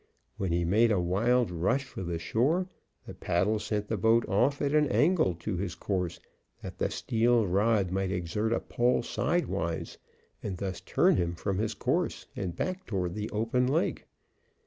When he made a wild rush for the shore, the paddle sent the boat off at an angle to his course, that the steel rod might exert a pull sidewise, and thus turn him from his course, and back toward the open lake.